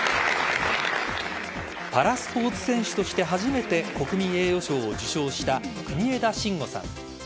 パラスポーツ選手として初めて国民栄誉賞を受賞した国枝慎吾さん。